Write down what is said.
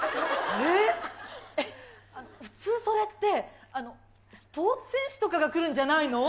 普通それって、スポーツ選手とかが来るんじゃないの？